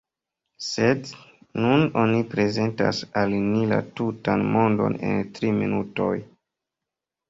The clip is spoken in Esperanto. Sed nun oni prezentas al ni la tutan mondon en tri minutoj.